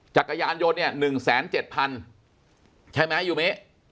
จักรยานยนต์เนี้ยหนึ่งแสนเจ็ดพันใช่ไหมยูมิ